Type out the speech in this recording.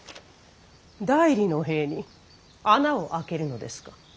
内裏の塀に穴を開けるのですか。